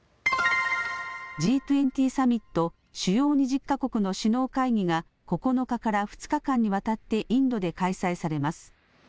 Ｇ２０サミット主要２０か国の首脳会議が９日から２日間にわたってインドで開催されます。